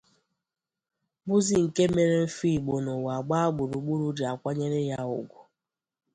bụzị nke mere nfị Igbo n'ụwa gbaa gburugburu ji akwanyere ya ùgwù.